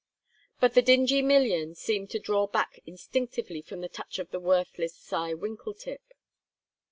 But the Dingee million seemed to draw back instinctively from the touch of the worthless Cy Winkletip.